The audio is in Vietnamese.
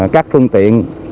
các phương tiện